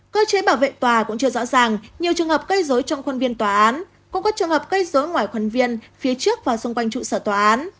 cơ chế bảo vệ tòa cũng chưa rõ ràng nhiều trường hợp gây dối trong khuôn viên tòa án cũng có trường hợp gây dối ngoài khuôn viên phía trước và xung quanh trụ sở tòa án